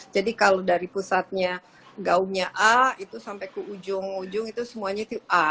jadi kalau dari pusatnya gaunya a itu sampai ke ujung ujung itu semuanya a